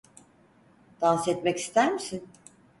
Dans etmek ister misin?